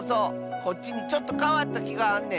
こっちにちょっとかわったきがあんねん。